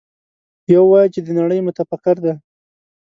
يو وايي چې د نړۍ متفکر دی.